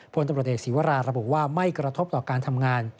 พลตำรวจเอกศีวราระบุว่าไม่กระทบต่อการทำงาน